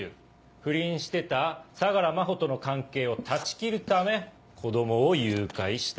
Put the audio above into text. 不倫してた相良真帆との関係を断ち切るため子供を誘拐した。